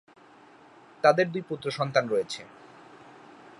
তাদের দুই পুত্র সন্তান রয়েছে।